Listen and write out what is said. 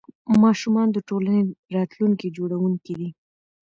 ماشومان د ټولنې راتلونکي جوړونکي دي.